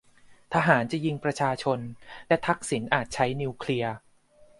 ทหารจะยิงประชาชน และทักษิณอาจใช้นิวเคลียร์ !